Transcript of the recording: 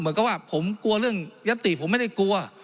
เหมือนกับว่าผมกลัวเรื่องยัตติผมไม่ได้กลัว